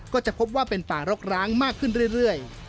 ก็จะพบว่าเป็นป่ารกร้างมากขึ้นเรื่อย